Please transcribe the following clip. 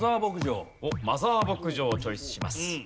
マザー牧場をチョイスします。